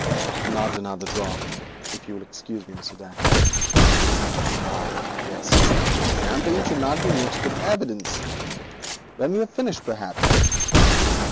'Not another drop, if you will excuse me, Mr. Dacre.' 'Ah, yes, champagne should not be mixed with evidence. When we have finished, perhaps.